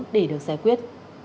để được xé quyết